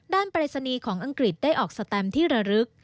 ด้านปริศนีของอังกฤษได้ออกสแตมที่ระลึก